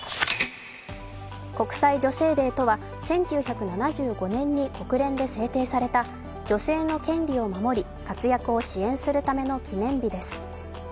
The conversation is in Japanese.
国際女性デーとは、１９７５年に国連で制定された女性の権利を守り活躍を支援するための記念日です。